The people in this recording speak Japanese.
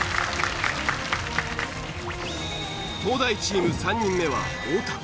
東大チーム３人目は太田。